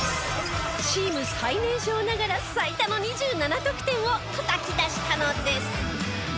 チーム最年少ながら最多の２７得点をたたき出したのです！